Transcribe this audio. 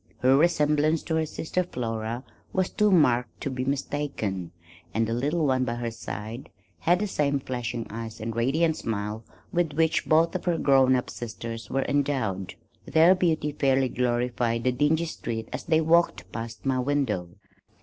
Her resemblance to her sister Flora was too marked to be mistaken, and the little one by her side had the same flashing eyes and radiant smile with which both of her grown up sisters were endowed. Their beauty fairly glorified the dingy street as they walked past my window.